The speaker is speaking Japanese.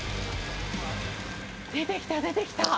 出てきた、出てきた。